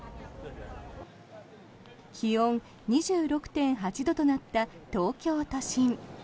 気温２６．８度となった東京都心。